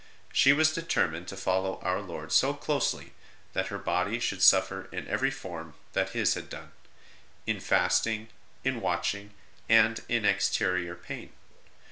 She was determined to follow Our Lord so closely that her body should suffer in every form that His had done in fasting, in watching, and in exterior pain.